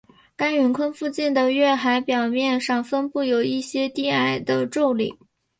该陨坑附近的月海表面上分布有一些低矮的皱岭。